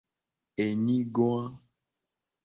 Enyigoa.